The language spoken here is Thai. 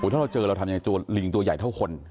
ถ้าเราเจอเราทำยังไงตัวลิงตัวใหญ่เท่าคน